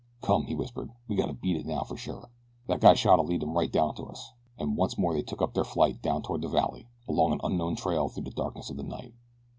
"Come!" he whispered. "We gotta beat it now for sure. That guy's shot'll lead 'em right down to us," and once more they took up their flight down toward the valley, along an unknown trail through the darkness of the night.